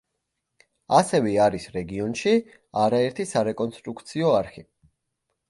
ასევე არის რეგიონში, არაერთი სარეკონსტრუქციო არხი.